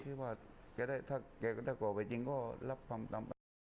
คือว่าถ้าเขาก็ได้กลัวไปจริงก็รับความธรรม